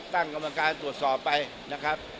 ตั้งกรรมการตรวจสอบไปนะครับ